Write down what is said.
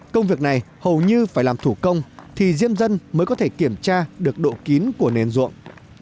công việc này hầu như phải làm thủ công thì diêm dân mới có thể kiểm tra được độ kín của nền ruộng